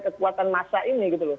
kekuatan masa ini